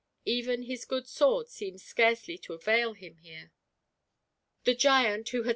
Even his good sword seemed scarcely to avail him here; the giant, who had 154 GIANT PBIDE.